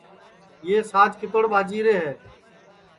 یو ساج کِتوڑ ٻاجیرے ہے